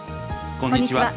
こんにちは。